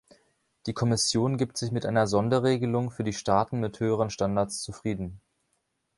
Die Kommission gibt sich mit einer Sonderregelung für die Staaten mit höheren Standards zufrieden.